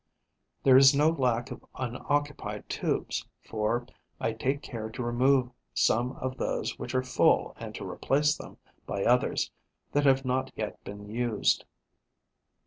There is no lack of unoccupied tubes, for I take care to remove some of those which are full and to replace them by others that have not yet been used.